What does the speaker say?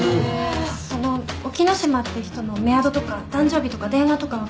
その沖野島って人のメアドとか誕生日とか電話とか分かれば。